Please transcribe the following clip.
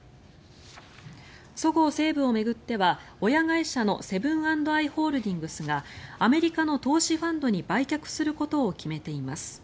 そごう・西武を巡っては親会社のセブン＆アイ・ホールディングスがアメリカの投資ファンドに売却することを決めています。